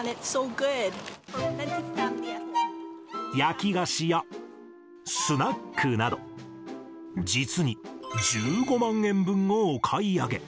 焼き菓子やスナックなど、実に１５万円分をお買い上げ。